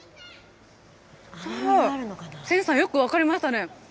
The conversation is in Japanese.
千さん、よく分かりましたね。